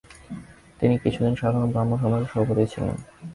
তিনি কিছুদিন সাধারণ ব্রাহ্মসমাজের সভাপতি ছিলেন।